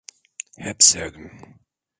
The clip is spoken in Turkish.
Hep sevdim.